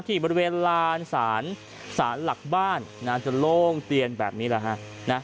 ที่บริเวณลานศาลศาลหลักบ้านจะโล่งเตียนแบบนี้แหละฮะ